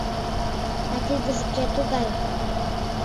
А тидыже кӧ тугай?